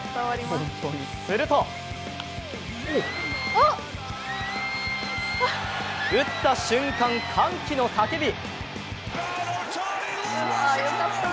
すると、打った瞬間、歓喜の叫び。